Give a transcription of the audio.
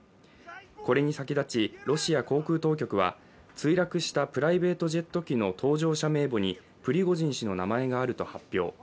これに先立ち、ロシア航空当局は墜落したプライベートジェット機の搭乗者名簿にプリゴジン氏の名前があると発表。